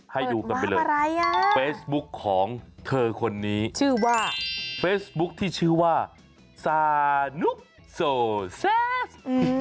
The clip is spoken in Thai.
ให้ดูกันไปเลยอะไรอ่ะเฟซบุ๊คของเธอคนนี้ชื่อว่าเฟซบุ๊คที่ชื่อว่าซานุกโซเซฟ